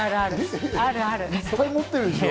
いっぱい持ってるでしょ。